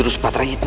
aku akan menangkapmu